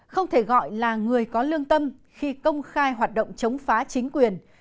không thể gọi là người có lương tâm khi công khai hoạt động chống phá chính quyền